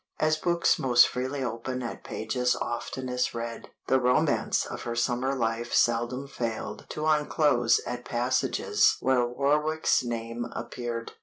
As books most freely open at pages oftenest read, the romance of her summer life seldom failed to unclose at passages where Warwick's name appeared.